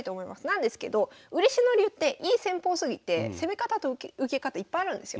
なんですけど嬉野流っていい戦法すぎて攻め方と受け方いっぱいあるんですよ。